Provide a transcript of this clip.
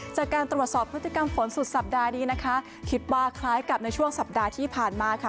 จากการตรวจสอบพฤติกรรมฝนสุดสัปดาห์นี้นะคะคิดว่าคล้ายกับในช่วงสัปดาห์ที่ผ่านมาค่ะ